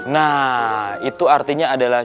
nah itu artinya adalah